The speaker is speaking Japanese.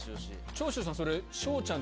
長州さん